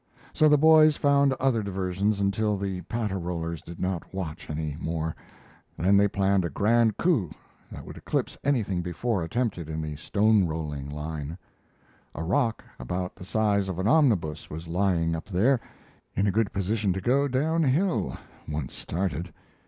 So the boys found other diversions until the Patterollers did not watch any more; then they planned a grand coup that would eclipse anything before attempted in the stone rolling line. A rock about the size of an omnibus was lying up there, in a good position to go down hill, once, started.